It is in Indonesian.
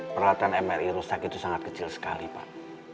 peralatan mri rusak itu sangat kecil sekali pak